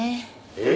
えっ？